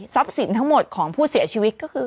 สินทั้งหมดของผู้เสียชีวิตก็คือ